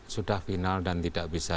sudah final dan tidak bisa